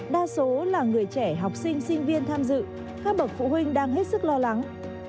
đa số là người trẻ học sinh sinh viên tham dự các bậc phụ huynh đang hết sức lo lắng